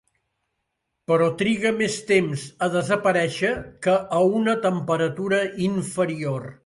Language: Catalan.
Però triga més temps a desaparèixer que a una temperatura inferior.